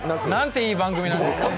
いい番組なんですか！